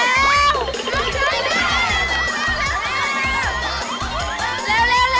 เร็วเร็วเร็วหรืออีกอันเดียว